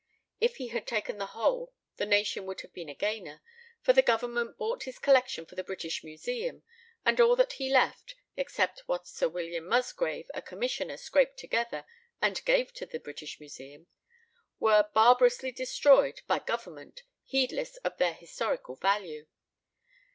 If he had taken the whole the nation would have been a gainer; for the Government bought his collection for the British Museum, and all that he left (except what Sir William Musgrave, a commissioner, scraped together and gave to the British Museum) were barbarously destroyed by Government, heedless of their historical value.